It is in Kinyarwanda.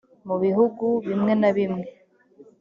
mu bihugu bimwe na bimwe